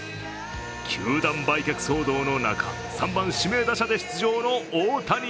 球団売却騒動の中３番・指名打者で出場の大谷